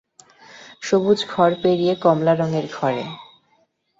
সবুজ ঘর পেরিয়ে কমলারঙের ঘরে।